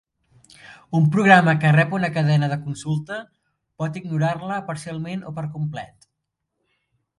Un programa que rep una cadena de consulta pot ignorar-la parcialment o per complet.